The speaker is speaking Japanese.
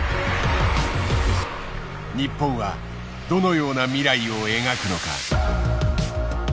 日本はどのような未来を描くのか。